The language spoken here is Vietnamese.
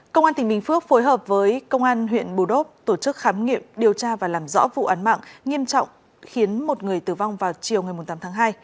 công an tỉnh bình phước phối hợp với công an huyện bù đốp tổ chức khám nghiệm điều tra và làm rõ vụ án mạng nghiêm trọng khiến một người tử vong vào chiều ngày tám tháng hai